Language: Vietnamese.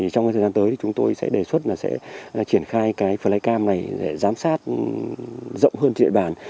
trong thời gian tới thì chúng tôi sẽ đề xuất là sẽ triển khai cái flycam này để giám sát rộng hơn địa bàn